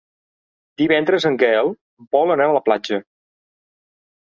Divendres en Gaël vol anar a la platja.